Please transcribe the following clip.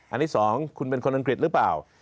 อันนี้๒คุณเป็นคนอังกฤษหรือเปล่า